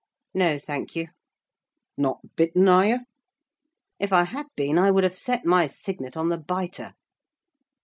"No, thank you." "Not bitten, are you?" "If I had been, I would have set my signet on the biter."